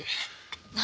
何？